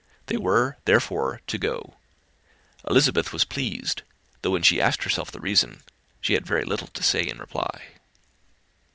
They were, therefore, to go. Elizabeth was pleased; though when she asked herself the reason, she had very little to say in reply.